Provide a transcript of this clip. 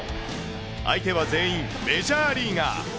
相手は全員メジャーリーガー。